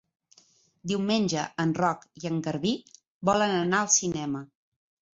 Diumenge en Roc i en Garbí volen anar al cinema.